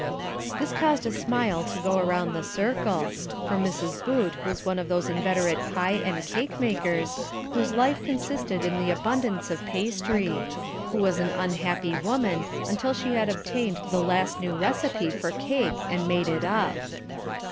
This caused a smile to go around the circle, for Mrs. Boot was one of those inveterate pie and cake makers, whose life consisted in the abundance of pastry; who was an unhappy woman until she had obtained the last new receipt for cake and made it up.